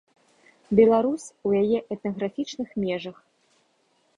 Беларусь у яе этнаграфічных межах.